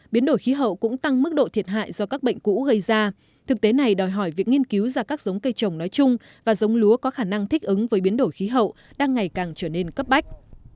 biến đổi khí hậu cũng tăng mức độ thiệt hại do các bệnh cũ gây ra thực tế này đòi hỏi việc nghiên cứu ra các giống cây trồng nói chung và giống lúa có khả năng thích ứng với biến đổi khí hậu đang ngày càng trở nên cấp bách